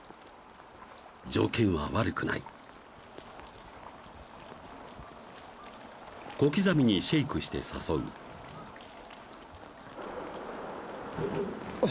条件は悪くない小刻みにシェイクして誘うおっ